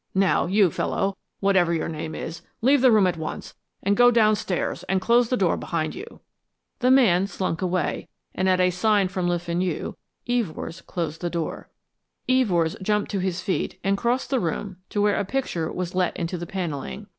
"Now, you fellow, whatever your name is, leave the room at once and go downstairs and close the door behind you." The man slunk away, and, at a sign from Le Fenu, Evors closed the door. Evors jumped to his feet and crossed the room to where a picture was let into the panelling.